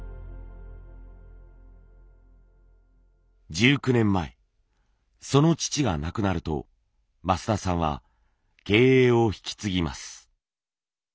１９年前その父が亡くなると増田さんは経営を引き継ぎます。